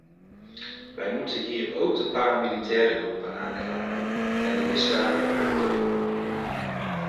Wij moeten hier ook de paramilitaire groepen aanklagen en de misdaden veroordelen.